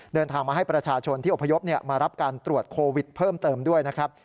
เดินทางมาให้ประชาชนที่อพยพมารับการตรวจโควิดเพิ่มเติมด้วยนะครับ